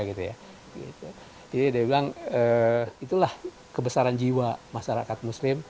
jadi dia bilang itulah kebesaran jiwa masyarakat muslim